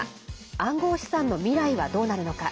暗号資産の未来はどうなるのか。